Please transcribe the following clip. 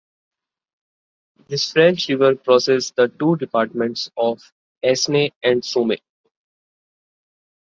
This French river crosses the two departments of Aisne and Somme.